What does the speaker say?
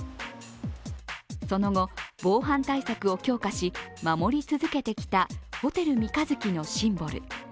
その後、防犯対策を強化し守り続けてきたホテル三日月のシンボル。